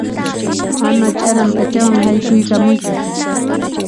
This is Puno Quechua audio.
Ama ch'aran p'achawan haykuyamuychu.